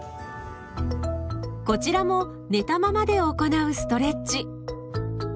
こちらも寝たままで行うストレッチ。